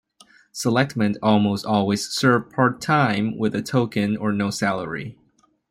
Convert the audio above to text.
Selectmen almost always serve part-time, with a token or no salary.